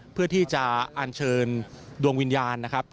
เพื่อที่จะอันเชิญดวงวิญญาณนะครับ